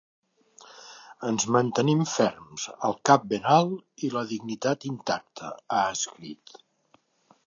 Ens mantenim ferms, el cap ben alt i la dignitat intacta, ha escrit.